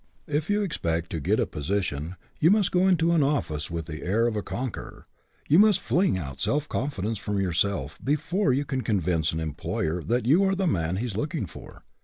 If you expect to get a position, you must go into an office with the air of a conqueror; you must fling out confidence from yourself before you can convince an employer that you are the man he is looking for.